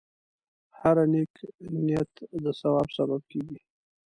هره نیکه نیت د ثواب سبب کېږي.